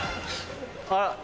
あら？